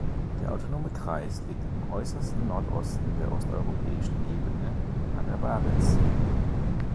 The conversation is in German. Der Autonome Kreis liegt im äußersten Nordosten der Osteuropäischen Ebene an der Barentssee.